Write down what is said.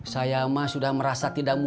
sayang mah sudah merasa tidak mulut